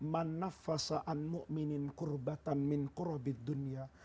man nafasa an mu'minin qurbatan min qurrabit dunya